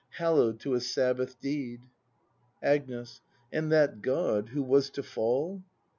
Hallo w'd to a Sabbath deed. Agnes. And that God, who was to fall?